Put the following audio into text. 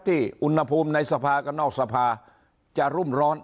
อุณหภูมิในสภากันนอกสภาจะรุ่มร้อน